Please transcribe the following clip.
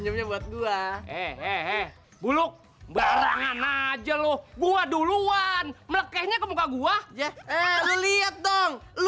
buat gua buluk barangan aja loh gua duluan melekehnya ke muka gua jahe lihat dong lu